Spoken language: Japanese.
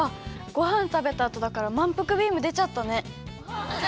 ごはんたべたあとだからまんぷくビームでちゃったね。